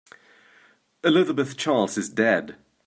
Elizabeth Charles is dead.